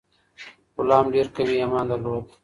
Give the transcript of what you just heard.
غلام ډیر قوي ایمان درلود.